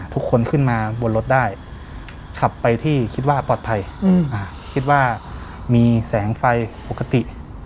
ทุกคนขึ้นมาบนรถได้ขับไปที่คิดว่าปลอดภัยคิดว่ามีแสงไฟปกติ